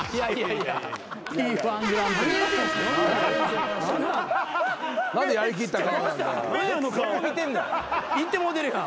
いってもうてるやん。